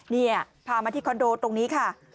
นี่พามาที่คอนโดตรงนี้ค่ะ